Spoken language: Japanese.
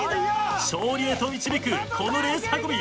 勝利へと導くこのレース運び。